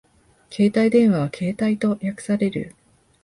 携帯電話はケータイと略される